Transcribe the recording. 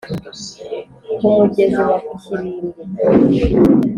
ku mugezi wa kirimbi